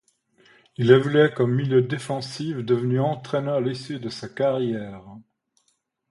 Il évoluait comme milieu défensif, devenu entraîneur à l'issue de sa carrière.